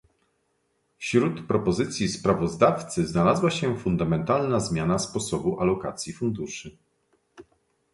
Wśród propozycji sprawozdawcy znalazła się fundamentalna zmiana sposobu alokacji funduszy